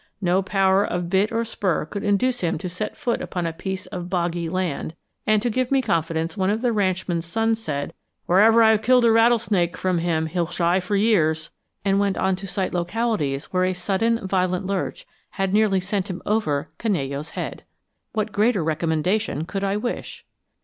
No power of bit or spur could induce him to set foot upon a piece of 'boggy land,' and to give me confidence one of the ranchman's sons said, "Wherever I've killed a rattlesnake from him he'll shy for years;" and went on to cite localities where a sudden, violent lurch had nearly sent him over Canello's head! What greater recommendation could I wish?